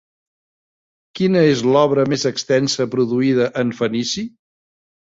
Quina és l'obra més extensa produïda en fenici?